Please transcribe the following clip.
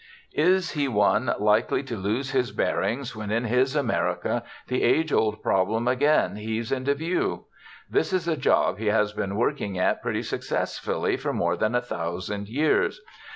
Is he one likely to lose his bearings when in his America the age old problem again heaves in view? This is a job he has been working at pretty successfully for more than a thousand years.